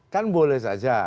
kan boleh saja